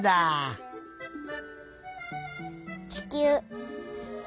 ちきゅう。